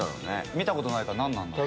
見たことないから何なんだろ？